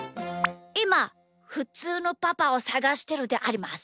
いまふつうのパパをさがしてるであります。